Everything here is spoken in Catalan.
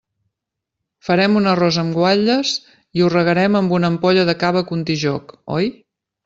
Farem un arròs amb guatlles i ho regarem amb una ampolla de cava Contijoch, oi?